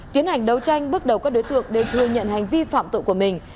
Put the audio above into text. tiến hành đấu tranh bước đầu các đối tượng đều thừa nhận hành vi phạm tội của mình